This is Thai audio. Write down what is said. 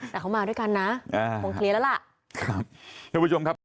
แต่เขามาด้วยกันนะผมเคลียร์แล้วล่ะ